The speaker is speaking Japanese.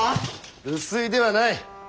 留守居ではない。